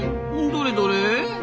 どれどれ？